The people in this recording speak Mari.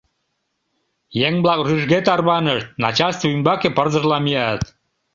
Еҥ-влак рӱжге тарванышт, начальство ӱмбаке пырдыжла мият.